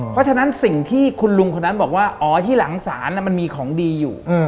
เพราะฉะนั้นสิ่งที่คุณลุงคนนั้นบอกว่าอ๋อที่หลังศาลมันมีของดีอยู่